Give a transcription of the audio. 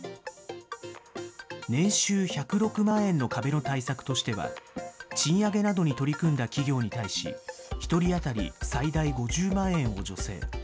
年収１０６万円の壁の対策としては、賃上げなどに取り組んだ企業に対し、１人当たり最大５０万円を助成。